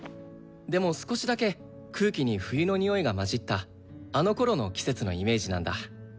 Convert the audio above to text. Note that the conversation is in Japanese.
でも少しだけ空気に冬のにおいが混じったあのころの季節のイメージなんだ。